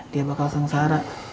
dia bakal sengsara